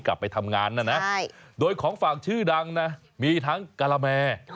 กลับไปทำงานนะนะโดยของฝากชื่อดังนะมีทั้งกะละแม